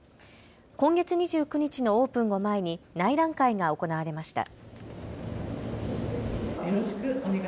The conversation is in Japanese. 今月２９日のオープンを前に内覧会が行われました。